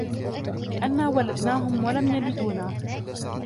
لِأَنَّا وَلَدْنَاهُمْ وَلَمْ يَلِدُونَا